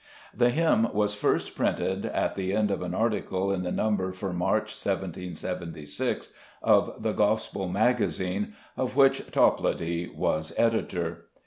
The hymn was first printed at the end of an article in the number for March, 1776, of the Gospel Magazine, of which Toplady was editor.